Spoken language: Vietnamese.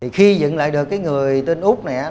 khi dựng lại được người tên úc này